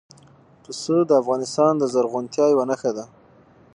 پسه د افغانستان د زرغونتیا یوه نښه ده.